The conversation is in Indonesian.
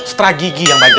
strategi yang baik baik